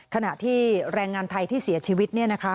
ขณะที่แรงงานไทยที่เสียชีวิต